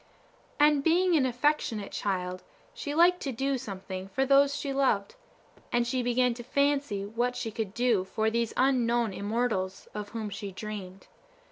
And being an affectionate child, she liked to do something for those she loved; and she began to fancy what she could do for these unknown immortals of whom she dreamed.